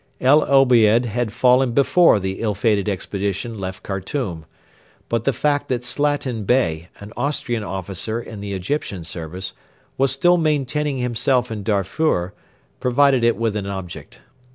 El Obeid had fallen before the ill fated expedition left Khartoum; but the fact that Slatin Bey, an Austrian officer in the Egyptian service, was still maintaining himself in Darfur provided it with an object.